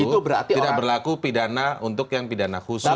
tidak berlaku pidana untuk yang pidana khusus